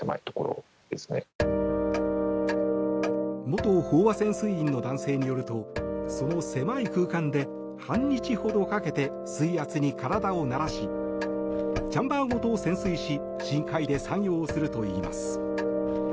元飽和潜水員の男性によるとその狭い空間で半日ほどかけて水圧に体を慣らしチャンバーごと潜水し深海で作業をするといいます。